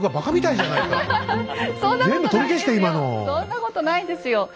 そんなことないですよ。